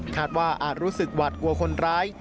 ว่าอาจรู้สึกหวาดกลัวคนร้าย